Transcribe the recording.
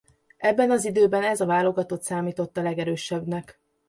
Ebben az időben ez a válogatott számított a legerősebbnek.